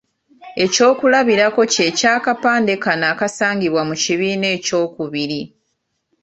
Ekyokulabirako kye ky’akapande kano akaasangibwa mu kibiina ekyokubiri.